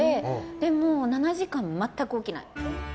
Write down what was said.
でも、７時間全く起きない。